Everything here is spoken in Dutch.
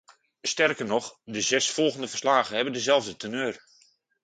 Sterker nog, de zes volgende verslagen hebben dezelfde teneur.